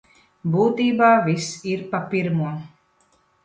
Būtībā viss ir pa pirmo.